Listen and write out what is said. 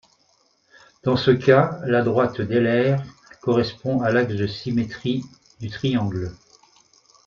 Dans ce cas, la droite d'Euler correspond à l'axe de symétrie du triangle.